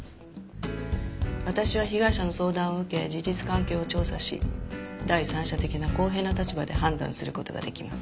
私は被害者の相談を受け事実関係を調査し第三者的な公平な立場で判断する事ができます。